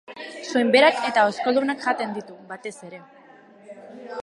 Soinberak eta oskoldunak jaten ditu, batez ere.